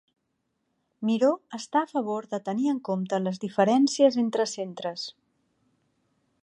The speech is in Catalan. Miró està a favor de tenir en compte les diferències entre centres.